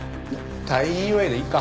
退院祝いでいいか。